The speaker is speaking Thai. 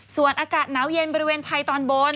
ส่วนอากาศหนาวเย็นบริเวณไทยตอนบน